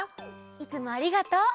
いつもありがとう。